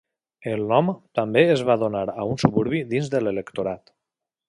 El nom també es va donar a un suburbi dins de l'electorat.